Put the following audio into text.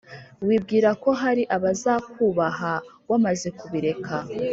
wibwira ko hari abazakwubaha wamaze kubereka